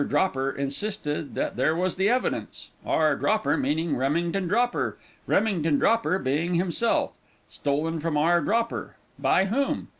Dropper insisted that there was the evidence, "R. Dropper," meaning Remington Dropper Remington Dropper being himself "Stolen from R. Dropper," by whom?